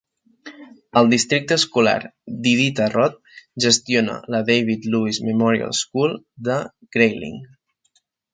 El districte escolar d'Iditarod gestiona la David Louis Memorial School de Grayling.